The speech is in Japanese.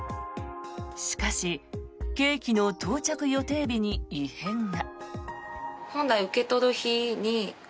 しかし、ケーキの到着予定日に異変が。